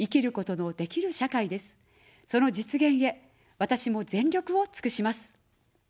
その実現へ、私も全力をつくします。